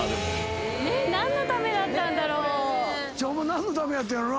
何のためだったんだろう？